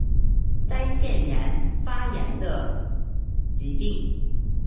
腮腺炎发炎的疾病。